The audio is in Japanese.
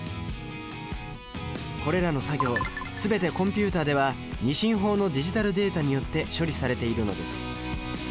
これらの作業全てコンピュータでは２進法のディジタルデータによって処理されているのです。